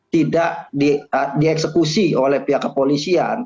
tidak dieksekusi oleh pihak kepolisian